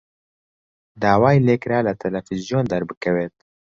داوای لێ کرا لە تەلەڤیزیۆن دەربکەوێت.